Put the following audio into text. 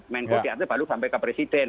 menko di atasnya baru sampai ke presiden